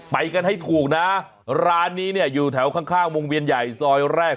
ไปกันให้ถูกนะร้านนี้เนี่ยอยู่แถวข้างวงเวียนใหญ่ซอยแรก